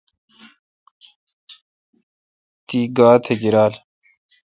تی گاتھ گیرال۔